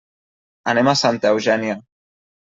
Anem a Santa Eugènia.